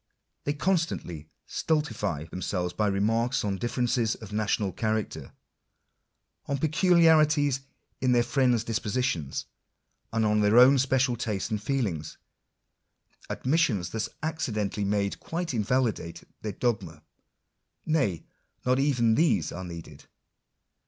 They constantly stultify themselves by remarks on differences of national character, on peculiarities in their friends dispositions, and on their own special tastes and feelings. Admissions thus accidentally made quite invalidate their dogma. Nay, not even these are needed.